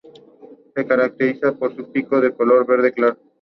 Además destacados militares españoles austracistas mandaron regimientos imperiales.